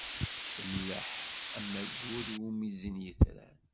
Temleḥ, am waggur iwumi zzin yitran.